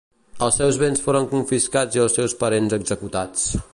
Els seus béns foren confiscats i els seus parents executats.